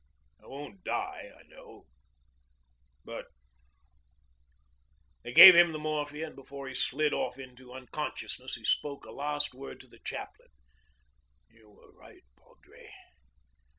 I won't die, I know, but ' They gave him the morphia, and before he slid off into unconsciousness he spoke a last word to the chaplain: 'You were right, padre.